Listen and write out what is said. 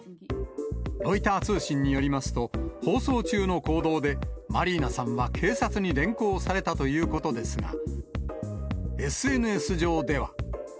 ロイター通信によりますと、放送中の行動で、マリーナさんは警察に連行されたということですが、ＳＮＳ上では。